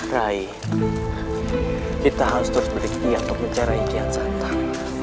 rai kita harus terus berikhtiyak untuk mencari ikiat santang